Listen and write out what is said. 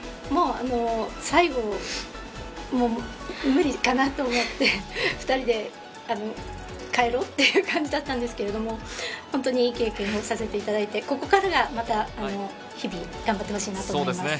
もう最後、無理かなと思って２人で帰ろうっていう感じだったんですけど、本当にいい経験をさせていただいて、ここからが日々、頑張ってほしいなと思います。